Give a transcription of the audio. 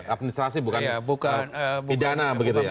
administrasi bukan pidana